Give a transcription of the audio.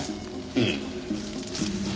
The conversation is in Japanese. ええ。